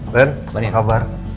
ben apa kabar